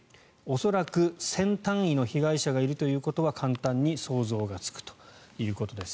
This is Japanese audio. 恐らく１０００単位の被害者がいるということは簡単に想像がつくということです。